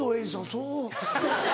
そう。